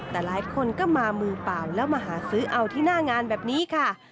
แต่หลายคนก็มามือเปล่าแล้วมาหาซื้อเอาที่หน้างานแบบนี้ค่ะ